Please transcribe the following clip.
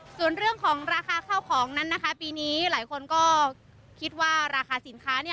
ส่วนเรื่องของราคาข้าวของนั้นนะคะปีนี้หลายคนก็คิดว่าราคาสินค้าเนี่ย